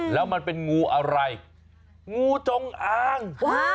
แล้วมันเป็นงูอะไรงูจงอาง